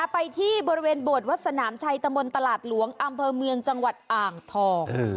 ไปที่บริเวณบวชวัดสนามชัยตะมนต์ตลาดหลวงอำเภอเมืองจังหวัดอ่างทอง